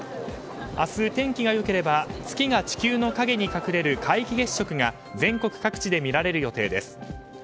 明日、天気が良ければ月が地球の影に隠れる皆既月食が全国各地で見られる予定です。